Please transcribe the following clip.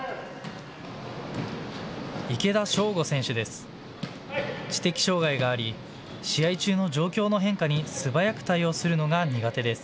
池田翔吾選手です。